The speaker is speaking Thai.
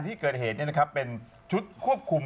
ที่เกิดเหตุเนี่ยนะครับเป็นชุดควบคุม